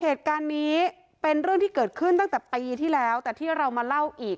เหตุการณ์นี้เป็นเรื่องที่เกิดขึ้นตั้งแต่ปีที่แล้วแต่ที่เรามาเล่าอีก